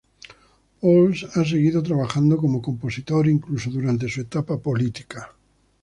Pauls ha seguido trabajando como compositor incluso durante su etapa política.